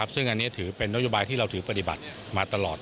ซึ่งอันนี้ถือเป็นนโยบายที่เราถือปฏิบัติมาตลอด